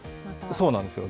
そうなんですよ。